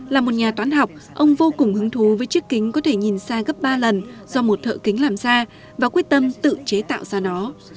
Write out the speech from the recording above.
là một nhà toán học ông vô cùng hứng thú với chiếc kính có thể nhìn xa gấp ba lần do một thợ kính làm ra và quyết tâm tự chế tạo ra nó